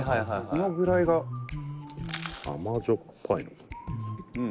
「このぐらいが」甘じょっぱいのかな？